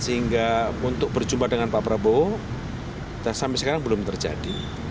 sehingga untuk berjumpa dengan pak prabowo sampai sekarang belum terjadi